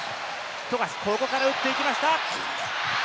富樫、ここから打っていきました。